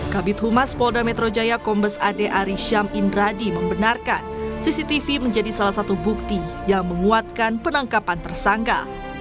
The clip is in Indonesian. kabit humas polda metro jaya kombes ade arisham indradi membenarkan cctv menjadi salah satu bukti yang menguatkan penangkapan tersangka